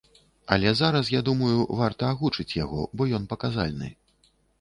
Але зараз я думаю, варта агучыць яго, бо ён паказальны.